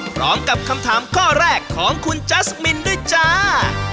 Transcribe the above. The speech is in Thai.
พร้อมกับคำถามข้อแรกของคุณจัสมินด้วยจ้า